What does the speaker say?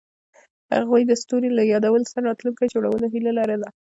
هغوی د ستوري له یادونو سره راتلونکی جوړولو هیله لرله.